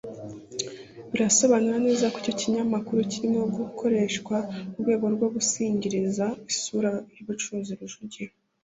birasobanura neza ko icyo kinyamakuru kirimo gukoreshwa mu rwego rwo gusigiriza isura y’umucuruzi Rujugiro